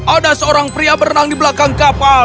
ada seorang pria berenang di belakang kapal